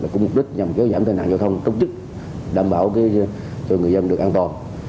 cũng mục đích nhằm giảm tài nạn giao thông trong chức đảm bảo cho người dân được an toàn